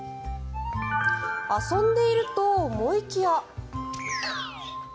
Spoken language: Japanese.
遊んでいると思いきや。